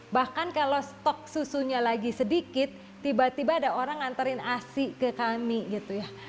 bahkan kalau stok susunya lagi sedikit tiba tiba ada orang nganterin asi ke kami gitu ya